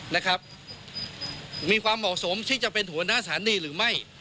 นะครับมีความเหมาะสมที่จะเป็นหัวหน้าสถานีหรือไม่